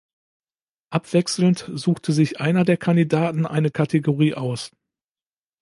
Abwechselnd suchte sich einer der Kandidaten eine Kategorie aus.